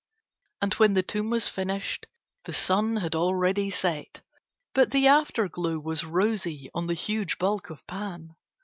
And when the tomb was finished the sun had already set, but the afterglow was rosy on the huge bulk of Pan.